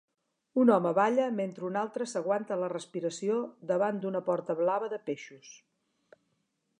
Un home balla mentre un altre s'aguanta la respiració davant d'una porta blava de peixos.